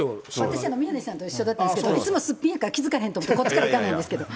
私、宮根さんと一緒だったんですけれども、いつもすっぴんだから、気付かへんと思って、こっちからはいかなかったんですけれども。